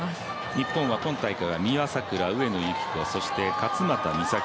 日本は今大会が三輪さくら、上野由岐子そして、勝股美咲。